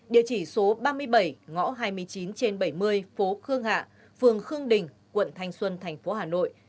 địa chỉ số ba mươi bảy ngõ hai mươi chín trên bảy mươi phố khương hạ phường khương đình quận thành xuân tp hà nội